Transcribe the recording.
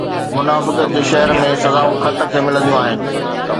منافقت جي شهر ۾ سزائون خط کي ملنديون آهن